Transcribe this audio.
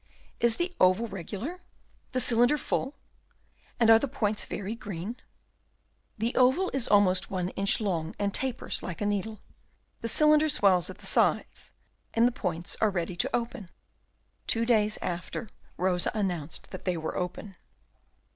"Is the oval regular? the cylinder full? and are the points very green?" "The oval is almost one inch long, and tapers like a needle, the cylinder swells at the sides, and the points are ready to open." Two days after Rosa announced that they were open.